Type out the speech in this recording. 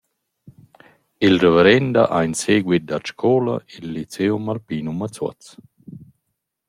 Il ravarenda ha in seguit dat scoula i’l Lyceum Alpinum a Zuoz.